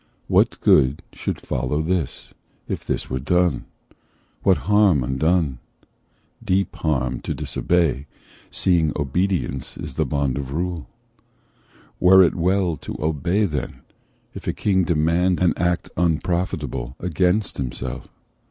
What good should follow this, if this were done? What harm, undone? deep harm to disobey, Seeing obedience is the bond of rule, Were it well to obey then, if a king demand An act unprofitable against himself?